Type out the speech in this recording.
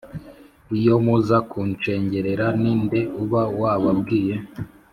Iyo muza kunshengerera, ni nde uba wababwiye